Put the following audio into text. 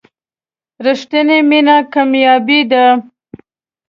رښتینې مینه کمیابه ده.